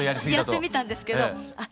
やってみたんですけどあっ